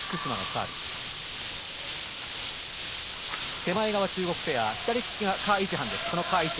手前側、中国ペア左利きがカ・イチハン。